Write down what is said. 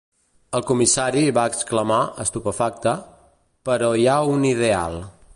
El comissari va exclamar, estupefacte, "Però hi ha un ideal".